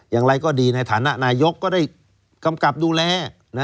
อย่างไรก็ดีในฐานะนายกก็ได้กำกับดูแล